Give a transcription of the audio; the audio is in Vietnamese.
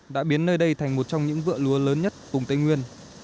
đã biến nơi đây thành một trong những vựa lúa lớn nhất cùng tây nguyên